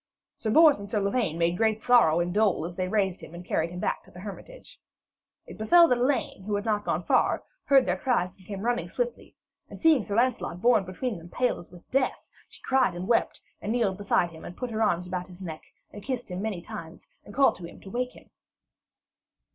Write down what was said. Sir Bors and Sir Lavaine made great sorrow and dole as they raised him and carried him back to the hermitage. It befell that Elaine, who had not gone far, heard their cries and came running swiftly, and seeing Sir Lancelot borne between them pale as with death, she cried and wept and kneeled beside him, and put her arms about his neck and kissed him many times, and called to him to wake him.